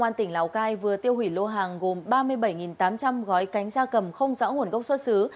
công an tỉnh lào cai vừa tiêu hủy lô hàng gồm ba mươi bảy tám trăm linh gói cánh da cầm không rõ nguồn gốc xuất xứ